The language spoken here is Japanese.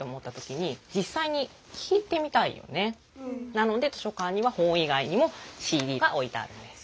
なので図書かんにはほんいがいにもＣＤがおいてあるんです。